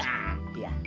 sati bangungut punya